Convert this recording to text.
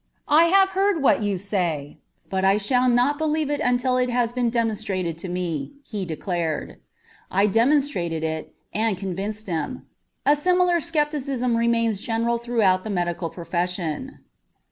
"I have heard what you say, but I shall not believe it until it has been demonstrated to me," he declared. I demonstrated it, and convinced him. A similar skepticism remains general throughout the medical profession.